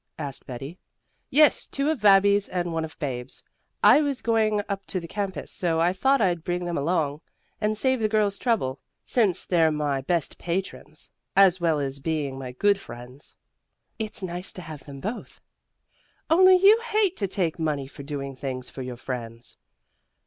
asked Betty. "Yes, two of Babbie's and one of Babe's. I was going up to the campus, so I thought I'd bring them along and save the girls trouble, since they're my best patrons, as well as being my good friends." "It's nice to have them both." "Only you hate to take money for doing things for your friends."